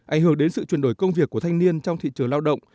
ảnh hưởng đến sự chuyển đổi công việc của thanh niên trong thị trường lao động